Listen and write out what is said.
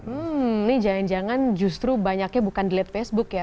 hmm ini jangan jangan justru banyaknya bukan dilihat facebook ya